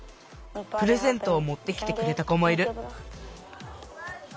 プレゼントをもってきてくれた子もいる。